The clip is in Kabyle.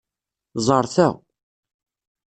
Ẓer ta.